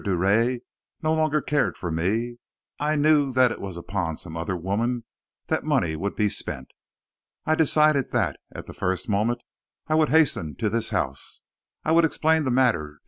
Drouet no longer cared for me I knew that it was upon some other woman that money would be spent. I decided that, at the first moment, I would hasten to this house; I would explain the matter to M.